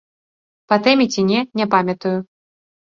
Па тэме ці не, не памятаю.